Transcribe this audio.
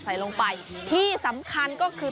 ใส่ลงไปที่สำคัญก็คือ